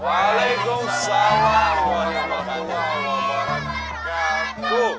waalaikumsalam warahmatullahi wabarakatuh